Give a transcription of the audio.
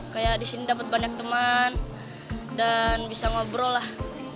kayak di sini dapat banyak teman dan bisa ngobrol lah